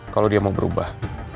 kalau dia mau berubah